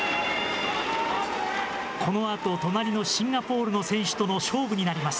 このあと隣のシンガポールの選手との勝負になります。